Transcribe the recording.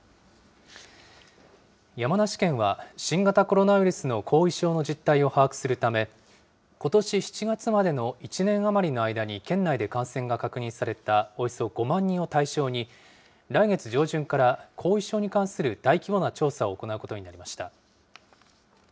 山梨県は新型コロナウイルスの後遺症の実態を把握するため、ことし７月までの１年余りの間に、県内で感染が確認されたおよそ５万人を対象に、来月上旬から、後遺症に関する大規模な調査を行うことになりました。